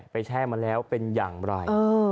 แช่มาแล้วเป็นอย่างไร